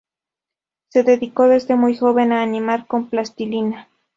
Se dedicó desde muy joven a animar con plastilina.